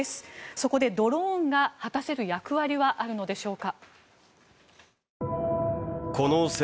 そこでドローンが果たせる役割はあるのでしょうか。